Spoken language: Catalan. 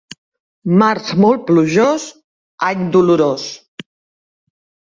Març molt plujós, any dolorós.